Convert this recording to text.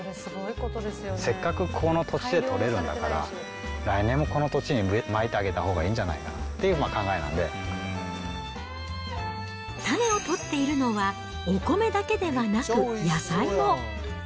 せっかくここの土地で取れるんだから、来年もこの土地にまいてあげたほうがいいんじゃないかなっていう種を取っているのは、お米だけではなく、野菜も。